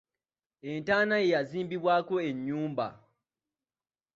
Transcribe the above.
Entaana ye yazimbibwako ennyumba.